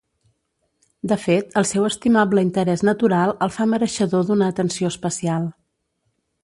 De fet, el seu estimable interès natural el fa mereixedor d’una atenció especial.